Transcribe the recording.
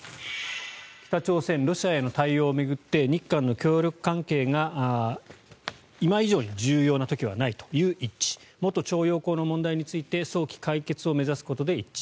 北朝鮮、ロシアへの対応を巡って日韓の協力関係が今以上に重要な時はないという一致元徴用工の問題について早期解決を目指すことで一致